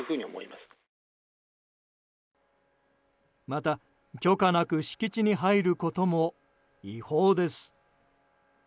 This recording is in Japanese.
また、許可なく敷地に入ることも違法です。